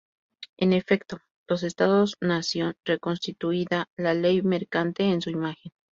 En efecto, los Estados-nación reconstituida la Ley Mercante en su imagen.